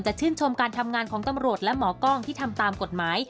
ชื่นชมการทำงานของตำรวจและหมอกล้องที่ทำตามกฎหมาย